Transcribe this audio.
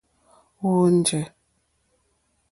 Wɔ́ɔ̂ njɛ̂.